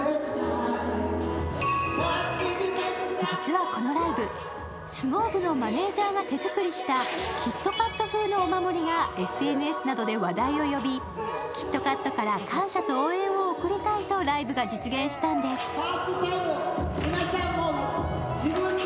実はこのライブ、相撲部のマネージャーが手作りしたキットカット風の御守がＳＮＳなどで話題を呼びキットカットから感謝と応援を送りたいとライブが実現したんです。